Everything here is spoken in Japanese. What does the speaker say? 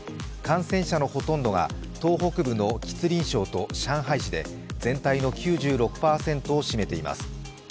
感染者のほとんどが、東北部の吉林省と上海市で全体の９６％を占めています。